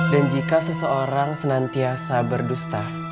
dan jika seseorang senantiasa berdusta